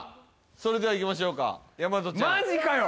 それではいきましょうか大和ちゃんマジかよ！